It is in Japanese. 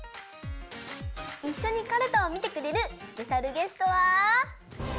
いっしょにかるたをみてくれるスペシャルゲストは。